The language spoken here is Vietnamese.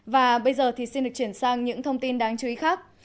và bây giờ thì xin được chuyển sang những thông tin đáng chú ý khác